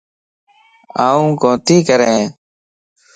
آن ڪوتي ڪرين